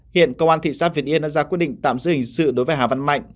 hiện công an thị xã việt yên đã ra quyết định tạm giữ hình sự đối với hà văn mạnh